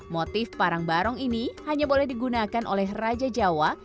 motif parang barong ini hanya boleh digunakan oleh raja jawa